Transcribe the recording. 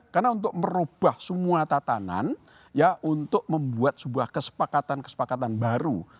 karena untuk merubah semua tatanan untuk membuat sebuah kesepakatan kesepakatan baru